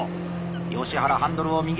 吉原ハンドルを右へ。